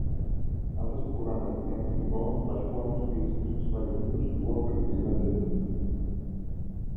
Altres programes diaris inclouen Flashpoints, Free Speech Radio News i Workers Independent News.